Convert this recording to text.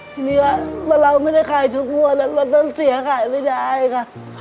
ทีนี้ว่าเราไม่ได้ขายทุกงวดแล้วเราต้องเสียขายไม่ได้ค่ะ